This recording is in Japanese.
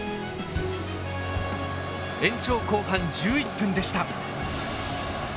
延長後半１１分でした。